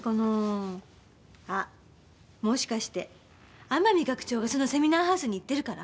あもしかして天海学長がそのセミナーハウスに行ってるから？